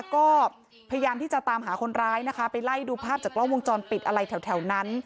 ก็พยายามที่จะตามหาคนร้ายนะคะไปไล่ดูภาพจากกล้องวงจรปิดอะไรแถวนั้น